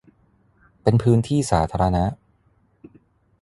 เป็นพื้นที่สาธารณะ